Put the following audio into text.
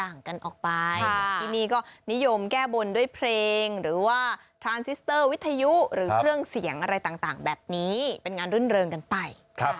อายุหรือเรื่องเสียงอะไรต่างต่างแบบนี้เป็นงานรื่นเริงกันไป